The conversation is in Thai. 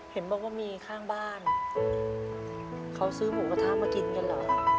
เห็นบอกว่ามีข้างบ้านเขาซื้อหมูกระทะมากินกันเหรอ